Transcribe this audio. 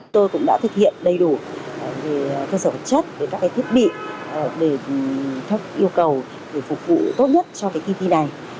tôi cũng đã thực hiện đầy đủ cơ sở vật chất các thiết bị để yêu cầu phục vụ tốt nhất cho kỳ thi này